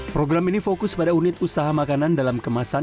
program ini fokus pada unit usaha makanan dalam kemasan